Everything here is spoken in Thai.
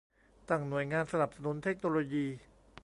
ตั้งหน่วยงานสนับสนุนเทคโนโลยี